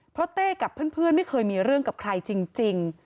เพราะเต้กับเพื่อนไม่เคยมีเรื่องกับใครจริง